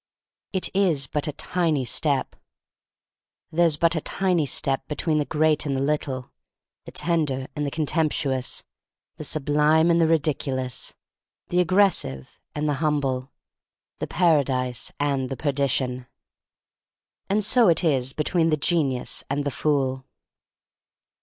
It is but a tiny step. There's but a tiny step between the great and the little, the tender and the THE STORY OF MARY MAC LANE 63 contemptuous, the sublime and the ridiculous, the aggressive and the hum ble, the paradise and the perdition. And so is it between the genius and the fool.